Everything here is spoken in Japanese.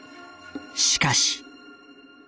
しかし。